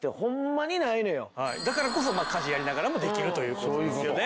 だからこそ家事やりながらもできるという事ですよね。